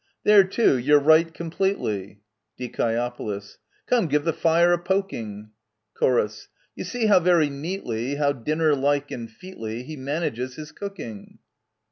There, too, you're right completely ! Die. Come, give the fire a poking ! Chor. You see how very neatly How dinner like and featly He manages his cooking